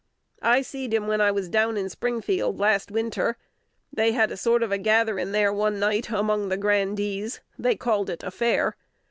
I seed him when I was down in Springfield last winter. They had a sort of a gatherin' there one night among the grandees, they called a fair.